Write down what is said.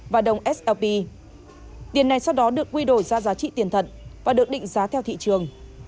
và đồng slp tiền này sau đó được quy đổi ra giá trị tiền thật và được định giá theo thị trường